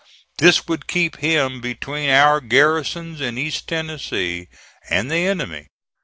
This would keep him between our garrisons in East Tennessee and the enemy.